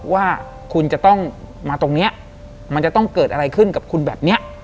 ว่าคุณจะต้องมาตรงนี้มันจะต้องเกิดอะไรขึ้นกับคุณแบบนี้